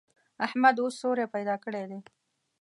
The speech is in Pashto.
احمد اوس سوری پیدا کړی دی.